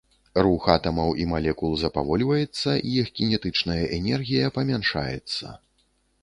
Рух атамаў і малекул запавольваецца, іх кінетычная энергія памяншаецца.